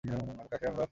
তাকে কোথায় খুঁজে পাবো?